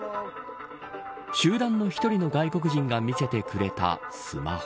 集団の１人の外国人が見せてくれたスマホ。